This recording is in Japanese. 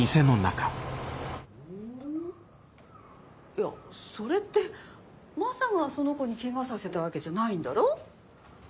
いやそれってマサがその子にケガさせたわけじゃないんだろ？